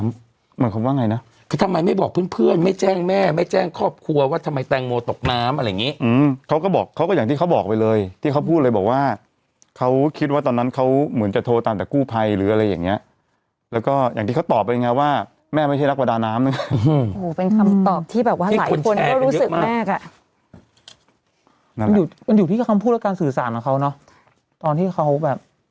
มันความว่าไงนะคือทำไมไม่บอกเพื่อนเพื่อนไม่แจ้งแม่ไม่แจ้งครอบครัวว่าทำไมแตงโมตกน้ำอะไรอย่างงี้อืมเขาก็บอกเขาก็อย่างที่เขาบอกไปเลยที่เขาพูดเลยบอกว่าเขาคิดว่าตอนนั้นเขาเหมือนจะโทรตามแต่กู้ภัยหรืออะไรอย่างเงี้ยแล้วก็อย่างที่เขาตอบเป็นยังไงว่าแม่ไม่ใช่นักวดาน้ำน้ำหนึ่งหูเป็นคำตอบที่แบบ